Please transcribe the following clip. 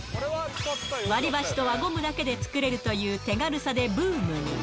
割り箸と輪ゴムだけで作れるという手軽さでブームに。